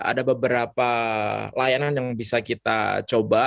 ada beberapa layanan yang bisa kita coba